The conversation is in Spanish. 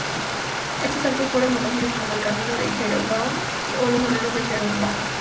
Estos actos fueron conocidos como el "camino de Jeroboam" o los "errores de Jeroboam".